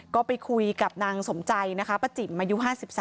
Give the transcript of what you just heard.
ก็ไปคุยกับนางสมใจนะคะป้าจิ๋มอายุ๕๓